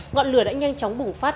ngọn lửa đã nhanh chóng bùng phát